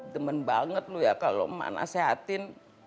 demen banget lu ya kalo mana sehatin